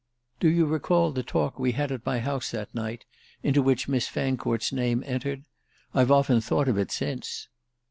"Do you recall the talk we had at my house that night, into which Miss Fancourt's name entered? I've often thought of it since."